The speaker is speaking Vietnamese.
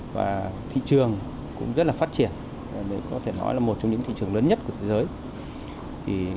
và thị trường cũng rất là phát triển có thể nói là một trong những thị trường lớn nhất của thế giới